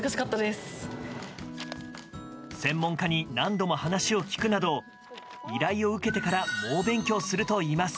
専門家に何度も話を聞くなど依頼を受けてから猛勉強するといいます。